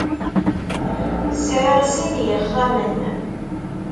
Sɛiɣ sin n yixxamen.